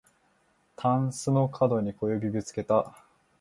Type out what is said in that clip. たんすのかどに小指ぶつけた